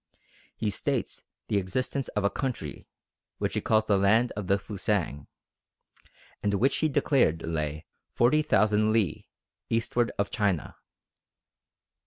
He states the existence of a country which he calls the "Land of the Fusang," and which he declared lay 40,000 li eastward of China.